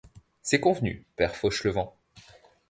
C’est convenu, père Fauchelevent.